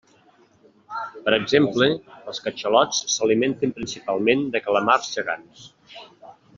Per exemple els catxalots s'alimenten principalment de calamars gegants.